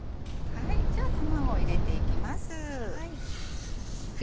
じゃあ卵入れていきます。